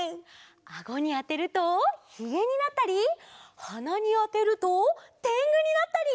アゴにあてるとひげになったりはなにあてるとてんぐになったり！